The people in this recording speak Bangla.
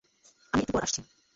আমি একটু পর আসছি।